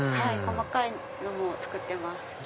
細かいのも作ってます。